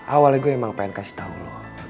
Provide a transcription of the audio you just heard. awalnya gue emang pengen kasih tahu lo